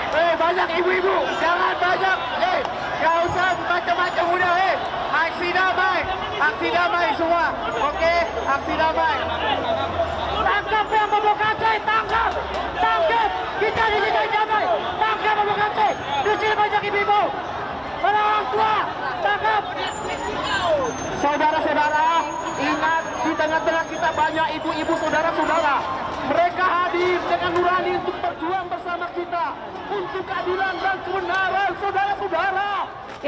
kepala ibu ibu saudara saudara mereka hadir dengan nurani untuk berjuang bersama kita untuk keadilan dan kebenaran saudara saudara